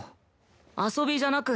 遊びじゃなく